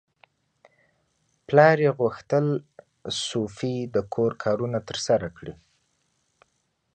پلار یې غوښتل سوفي د کور کارونه ترسره کړي.